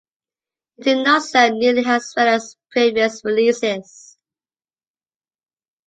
It did not sell nearly as well as previous releases.